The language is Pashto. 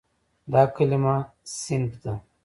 دا کلمه "صنف" ده.